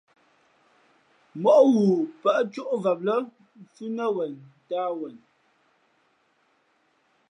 Móʼ ghoo pάʼ cóʼvam lά mfhʉ̄ nά wen ntāh wen.